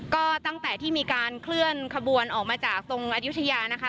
ก็ตั้งแต่ที่มีการเคลื่อนขบวนออกมาจากตรงอายุทยานะคะ